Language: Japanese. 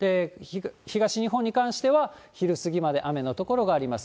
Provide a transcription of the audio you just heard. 東日本に関しては、昼過ぎまで雨の所があります。